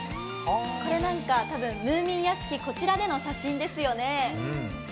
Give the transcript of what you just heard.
これなんかムーミン屋敷での写真ですよね。